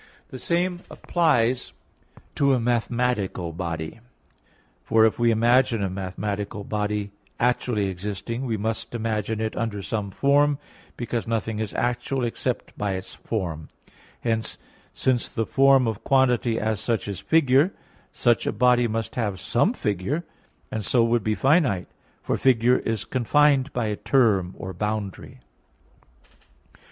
The same applies to a mathematical body. For if we imagine a mathematical body actually existing, we must imagine it under some form, because nothing is actual except by its form; hence, since the form of quantity as such is figure, such a body must have some figure, and so would be finite; for figure is confined by a term or boundary.